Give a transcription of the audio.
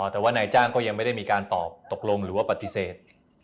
แต่ว่านายจ้างก็ยังไม่ได้มีการตอบตกลงหรือว่าปฏิเสธ